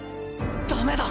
ダメだ。